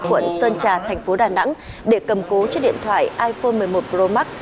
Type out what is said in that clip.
quận sơn trà thành phố đà nẵng để cầm cố chiếc điện thoại iphone một mươi một pro max